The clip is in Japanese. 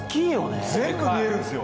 全部見えるんですよ。